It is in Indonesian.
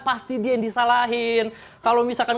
pasti dia yang disalahin kalau misalkan